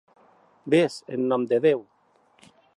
Ves, en nom de Déu!